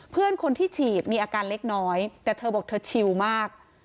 เพื่อนคนที่ฉีดมีอาการเล็กน้อยแต่เธอบอกเธอชิวมาก